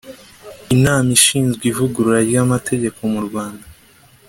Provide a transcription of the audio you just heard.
Inama ishinzwe Ivugurura ry’Amategeko mu Rwanda